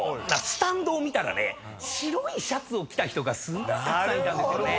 スタンドを見たらね白いシャツを着た人がすごいたくさんいたんですよね。